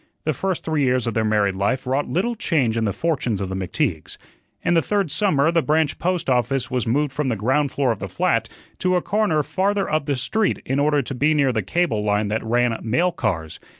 The first three years of their married life wrought little change in the fortunes of the McTeagues. In the third summer the branch post office was moved from the ground floor of the flat to a corner farther up the street in order to be near the cable line that ran mail cars.